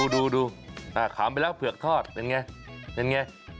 ดูขำไปแล้วเผือกทอดเห็นไง